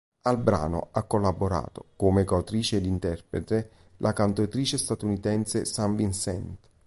Al brano ha collaborato, come coautrice e interprete, la cantautrice statunitense St. Vincent.